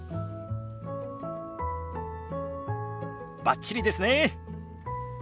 バッチリですね。